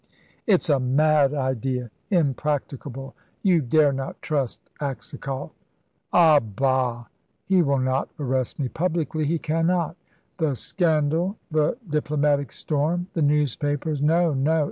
"It's a mad idea, impracticable. You dare not trust Aksakoff." "Ah, bah! He will not arrest me publicly he cannot. The scandal the diplomatic storm the newspapers. No, no!